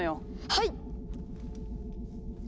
はい！